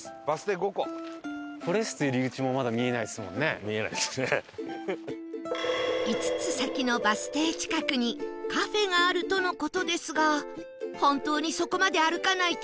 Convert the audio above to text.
５つ先のバス停近くにカフェがあるとの事ですが本当にそこまで歩かないと